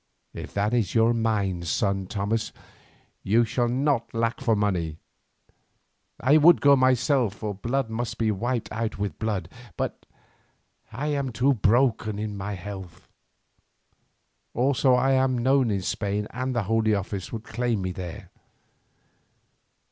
"If that is your mind, son Thomas, you shall not lack for money. I would go myself, for blood must be wiped out with blood, but I am too broken in my health; also I am known in Spain and the Holy Office would claim me there.